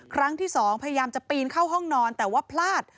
ครั้งที่๒พยายามจะปีนเข้าห้องนอนแต่ว่าพลาด